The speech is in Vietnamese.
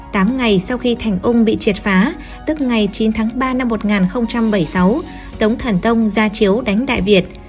tám ngày sau khi thành ung bị triệt phá tức ngày chín tháng ba năm một nghìn bảy mươi sáu tống thần tông ra chiếu đánh đại việt